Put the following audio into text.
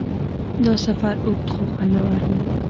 دا سفر اوږد خو خوندور و.